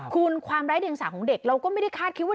คุณความไร้เดียงสาของเด็กเราก็ไม่ได้คาดคิดว่า